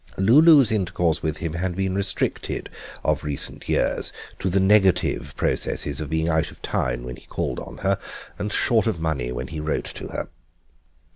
Lulu's intercourse with him had been restricted of recent years to the negative processes of being out of town when he called on her, and short of money when he wrote to her.